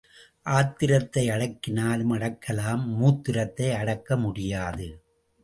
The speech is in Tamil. ஆத்திரத்தை அடக்கினாலும் அடக்கலாம் மூத்திரத்தை அடக்க முடியாது.